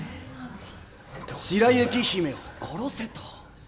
「白雪姫を殺せ」と！